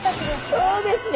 そうですね。